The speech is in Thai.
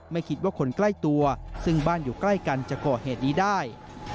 ไม่คิดว่าคนใกล้ตัวซึ่งบ้านอยู่ใกล้กันจะก่อเหตุนี้ได้